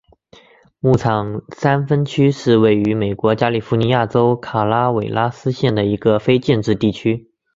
牧场山分区是位于美国加利福尼亚州卡拉韦拉斯县的一个非建制地区。